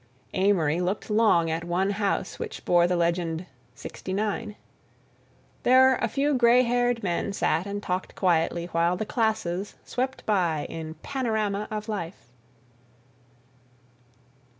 Amory looked long at one house which bore the legend "Sixty nine." There a few gray haired men sat and talked quietly while the classes swept by in panorama of life.